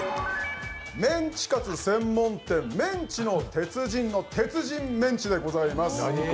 メンチカツ専門店メンチの鉄人の鉄人メンチでございます。